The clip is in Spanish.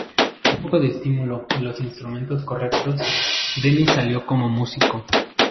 Con un poco de estímulo, y los instrumentos correctos, Dennis salió como músico".